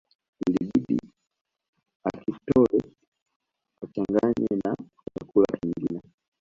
Ilibidi akitoe achanganye na chakula kingine